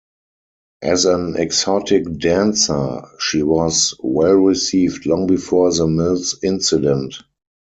As an exotic dancer she was well received long before the Mills incident.